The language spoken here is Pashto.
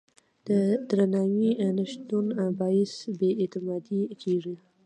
د درناوي نه شتون باعث بې اعتمادي کېږي.